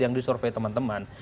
yang disurvey teman teman